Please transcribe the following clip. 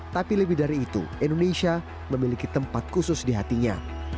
tapi lebih dari itu indonesia memiliki tempat khusus di hatinya